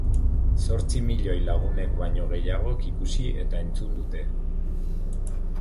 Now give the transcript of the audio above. Zortzi milioi lagunek baino gehiagok ikusi eta entzun dute.